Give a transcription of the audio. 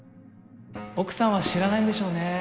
奥さんは知らないんでしょうね。